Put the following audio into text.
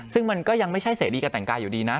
ซึ่งมันก็ยังไม่ใช่เสรีการแต่งกายอยู่ดีนะ